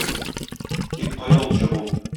Тик кая ул чыгу!